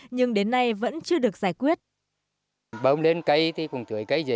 nhưng đến nay vẫn chưa được giải quyết